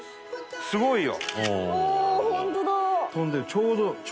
すごいよ。